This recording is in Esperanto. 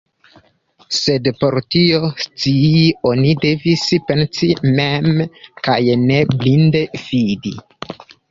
Sed por tion scii, oni devis pensi mem, kaj ne blinde fidi.